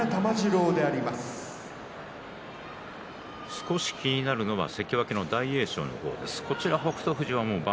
少し気になるのは関脇の大栄翔。